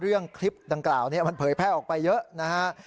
เรื่องคลิปดังกล่าวนี้มันเผยแพร่ออกไปเยอะนะฮะ